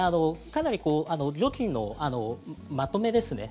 かなり料金のまとめですね